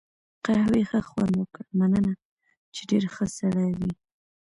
قهوې ښه خوند وکړ، مننه، چې ډېر ښه سړی وې.